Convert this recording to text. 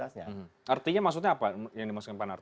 artinya maksudnya apa yang dimaksudkan panarti